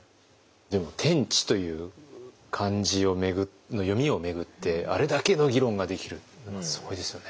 でも「天地」という漢字の読みを巡ってあれだけの議論ができるのはすごいですよね。